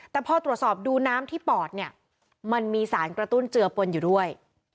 แต่พอตรวจสอบดูน้ำที่ปอดเนี่ยมันมีสารกระตุ้นเจือปนอยู่ด้วย